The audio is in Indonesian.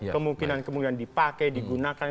kemungkinan kemungkinan dipakai digunakan